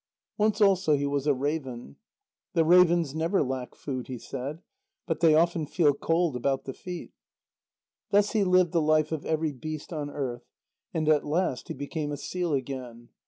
Once also he was a raven. "The ravens never lack food," he said, "but they often feel cold about the feet." Thus he lived the life of every beast on earth. And at last he became a seal again.